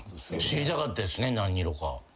知りたかったですね何色か。